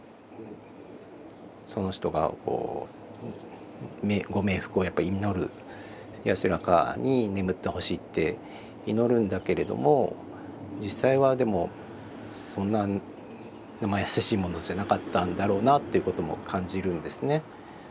その人がご冥福を祈る安らかに眠ってほしいって祈るんだけれども実際はでもそんななまやさしいものじゃなかったんだろうなっていうことも感じるんですね。